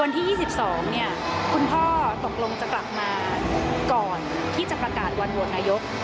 วันที่๒๒เนี่ยคุณพ่อตกลงจะกลับมาก่อนที่จะประกาศวันโหวตนายก